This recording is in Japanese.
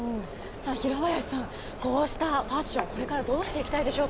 平林さん、こうしたファッション、これからどうしていきたいでしょ